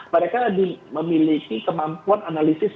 mereka memiliki kemampuan analisis